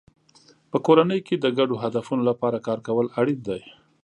په کورنۍ کې د ګډو هدفونو لپاره کار کول اړین دی.